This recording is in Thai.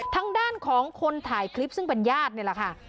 ทางด้านของคนถ่ายคลิปซึ่งเป็นญาตินี่แหละค่ะ